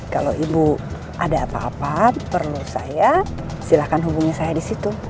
kalau ibu ada apa apa perlu saya silahkan hubungi saya di situ